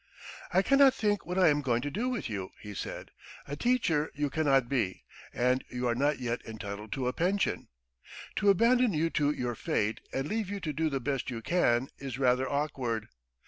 "I cannot think what I am going to do with you!" he said. "A teacher you cannot be, and you are not yet entitled to a pension. ... To abandon you to your fate, and leave you to do the best you can, is rather awkward.